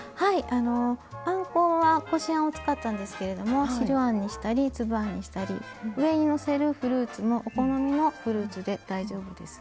あのあんこはこしあんを使ったんですけれども白あんにしたりつぶあんにしたり上にのせるフルーツもお好みのフルーツで大丈夫です。